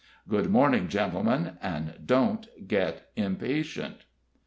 Good morning, gentlemen; and don't get impatient."